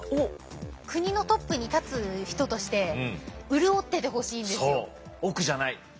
国のトップに立つ人として潤っててほしいんですよ。